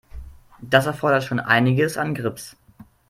Das erfordert schon einiges an Grips.